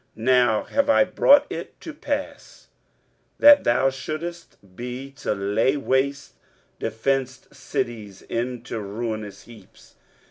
now have I brought it to pass, that thou shouldest be to lay waste defenced cities into ruinous heaps.